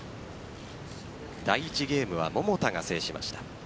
第１ゲームは桃田が制しました。